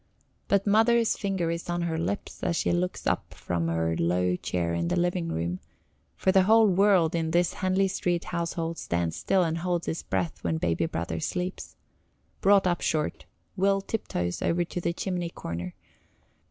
But Mother's finger is on her lips as she looks up from her low chair in the living room, for the whole world in this Henley Street household stands still and holds its breath when Baby Brother sleeps. Brought up short, Will tiptoes over to the chimney corner.